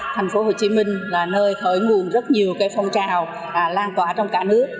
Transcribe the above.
thành phố hồ chí minh là nơi khởi nguồn rất nhiều phong trào lan tỏa trong cả nước